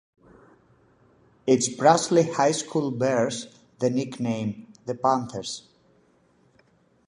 Its Brusly High School bears the nickname, the Panthers.